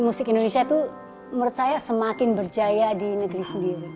musik indonesia itu menurut saya semakin berjaya di negeri sendiri